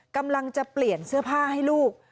กำลังจะเปลี่ยนเสื้อผ้าให้ลูก